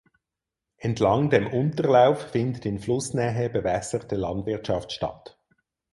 Entlang dem Unterlauf findet in Flussnähe bewässerte Landwirtschaft statt.